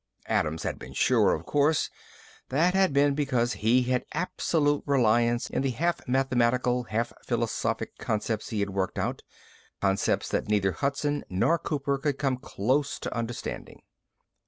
Adams had been sure, of course, but that had been because he had absolute reliance in the half mathematical, half philosophic concepts he had worked out concepts that neither Hudson nor Cooper could come close to understanding.